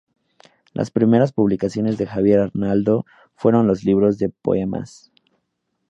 Las primeras publicaciones de Javier Arnaldo fueron libros de poemas.